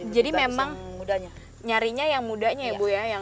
jadi memang nyarinya yang mudanya ya bu ya